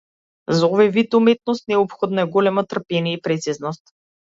За овој вид уметност неопходно е големо трпение и прецизност.